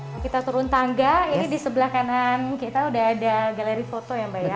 kalau kita turun tangga ini di sebelah kanan kita udah ada galeri foto ya mbak ya